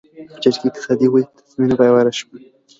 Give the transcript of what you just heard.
چټکې اقتصادي ودې ته زمینه برابره شوه.